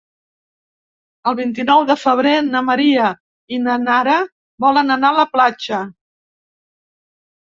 El vint-i-nou de febrer na Maria i na Nara volen anar a la platja.